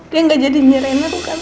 dia nggak jadi nyerahin aku kan